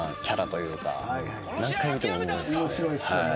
面白いっすよね。